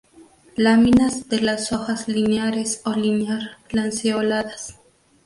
Láminas de las hojas lineares o linear-lanceoladas.